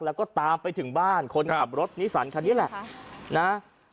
แล้วก็ตามไปถึงบ้านคนขับรถนิสันคันนี้แหละนะ